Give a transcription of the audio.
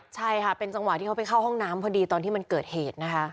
ใช่ค่ะเป็นจังหวะที่เขาไปเข้าห้องน้ำพอดีตอนที่มันเกิดเหตุนะคะ